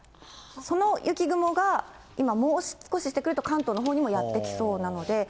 その雪雲が今、もう少ししてくると関東のほうにもやって来そうなので。